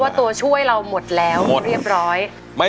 เพลงที่๖นะครับ